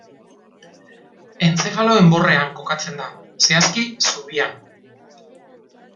Entzefalo enborrean kokatzen da, zehazki zubian.